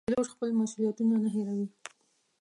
پیلوټ خپل مسوولیتونه نه هېروي.